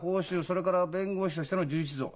それから弁護士としての充実度